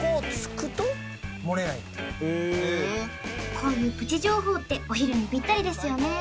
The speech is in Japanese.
こういうプチ情報ってお昼にピッタリですよね